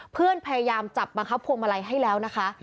พยายามจับบังคับพวงมาลัยให้แล้วนะคะ